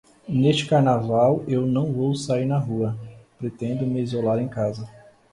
Neste Carnaval eu não vou sair na rua, pretendo me isolar em casa.